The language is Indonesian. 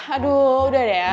aduh udah deh ya